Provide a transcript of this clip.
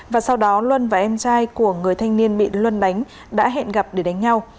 và sau đó luân và em trai của người thanh niên bị luân đánh đã hẹn gặp để đánh nhau